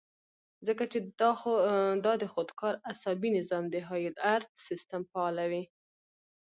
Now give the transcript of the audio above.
ځکه چې دا د خودکار اعصابي نظام د هائي الرټ سسټم فعالوي